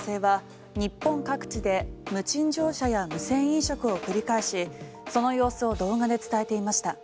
こちらの外国人の男性は日本各地で無賃乗車や無銭飲食を繰り返しその様子を動画で伝えていました。